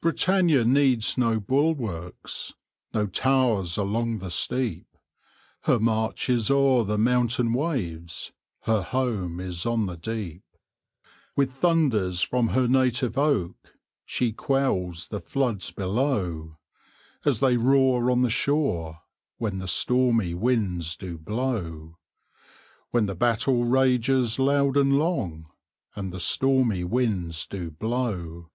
Britannia needs no bulwarks, No towers along the steep; Her march is o'er the mountain waves, Her home is on the deep. With thunders from her native oak She quells the floods below As they roar on the shore, When the stormy winds do blow; When the battle rages loud and long, And the stormy winds do blow.